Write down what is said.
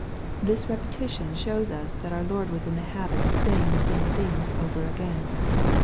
This repetition shows us that our Lord was in the habit of saying the same things over again.